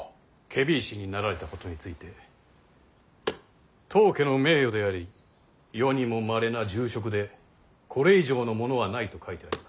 検非違使になられたことについて「当家の名誉であり世にもまれな重職でこれ以上のものはない」と書いてあります。